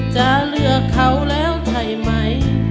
จะเลือกเขาแล้วใช่ไหม